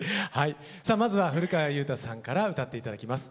さあまずは古川雄大さんから歌って頂きます。